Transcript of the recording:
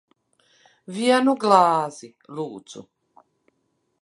Vienu glāzi. Lūdzu.